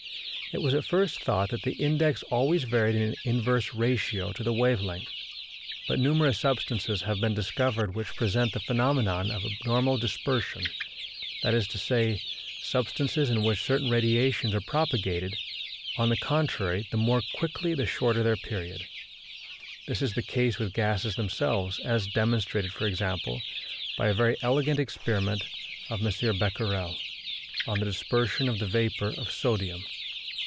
It was at first thought that the index always varied in inverse ratio to the wave length, but numerous substances have been discovered which present the phenomenon of abnormal dispersion that is to say, substances in which certain radiations are propagated, on the contrary, the more quickly the shorter their period. This is the case with gases themselves, as demonstrated, for example, by a very elegant experiment of M. Becquerel on the dispersion of the vapour of sodium.